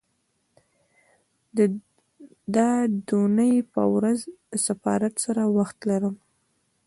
د دونۍ په ورځ د سفارت سره وخت لرم